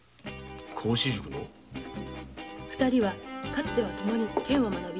二人はかつてはともに剣を学び